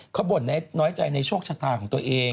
เขาบ่นน้อยใจในโชคชะตาของตัวเอง